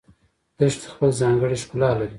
دښتې خپل ځانګړی ښکلا لري